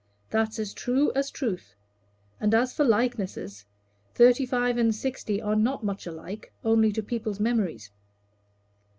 That's as true as truth. And as for likenesses, thirty five and sixty are not much alike, only to people's memories."